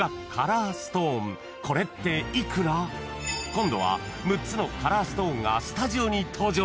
［今度は６つのカラーストーンがスタジオに登場］